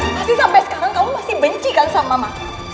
masih sampe sekarang kamu masih benci kan sama mama